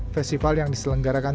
festival yang diselenggarakan